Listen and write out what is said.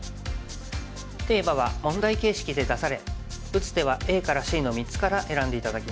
テーマは問題形式で出され打つ手はＡからＣの３つから選んで頂きます。